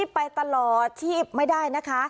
ไปตลอดชีพไม่ได้นะคะ